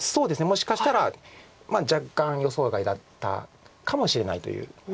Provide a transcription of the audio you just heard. もしかしたら若干予想外だったかもしれないという。